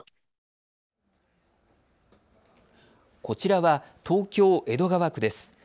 こちらは東京江戸川区です。